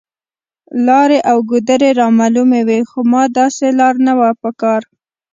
لارې او ګودرې رامعلومې وې، خو ما داسې لار نه وه په کار.